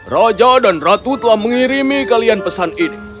raja dan ratu telah mengirimi kalian pesan ini